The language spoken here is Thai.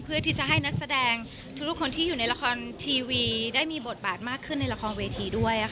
เพื่อที่จะให้นักแสดงทุกคนที่อยู่ในละครทีวีได้มีบทบาทมากขึ้นในละครเวทีด้วย